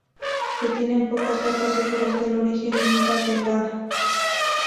Se tienen pocos datos seguros del origen y vida de Iah.